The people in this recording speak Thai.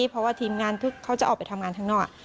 เพราะว่าทีมงานเขาจะออกไปทำงานข้างนอก